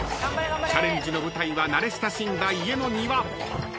チャレンジの舞台は慣れ親しんだ家の庭。